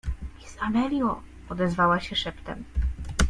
— Miss Amelio — odezwała się szeptem.